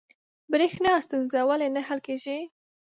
بریښنا ستونزه ولې نه حل کیږي؟